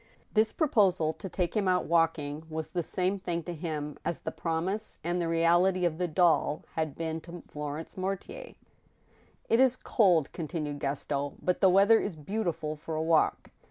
This proposal to take him out walking was the same thing to him as the promise and the reality of the doll had been to Florence Mortier. '" It is cold," continued Gaston, " but the weather is beautiful for a walk."